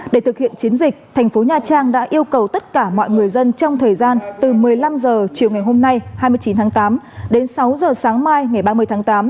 để thực hiện chiến dịch thành phố nha trang đã yêu cầu tất cả mọi người dân trong thời gian từ một mươi năm h chiều ngày hôm nay hai mươi chín tháng tám đến sáu h sáng mai ngày ba mươi tháng tám